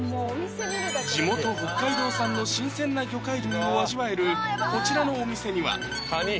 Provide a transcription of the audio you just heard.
地元・北海道産の新鮮な魚介類を味わえるこちらのお店にはかに！